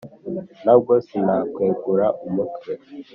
nabwo sinakwegura umutwe